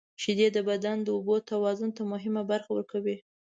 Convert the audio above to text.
• شیدې د بدن د اوبو توازن ته مهمه برخه ورکوي.